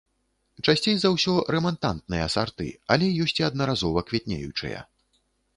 Часцей за ўсё рэмантантныя сарты, але ёсць і аднаразова квітнеючыя.